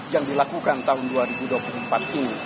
yang dilakukan tahun dua ribu dua puluh empat ini